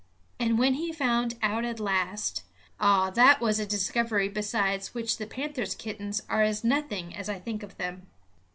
And when he found out at last ah, that was a discovery beside which the panther's kittens are as nothing as I think of them.